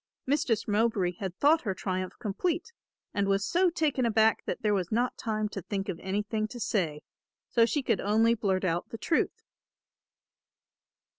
Mistress Mowbray had thought her triumph complete and was so taken aback that there was not time to think of anything to say, so she could only blurt out the truth.